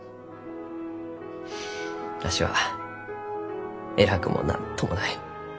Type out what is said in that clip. わしは偉くも何ともない。